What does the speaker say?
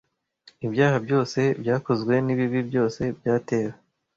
ibyaha byose byakozwe nibibi byose byatewe